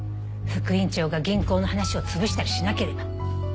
副院長が銀行の話を潰したりしなければ。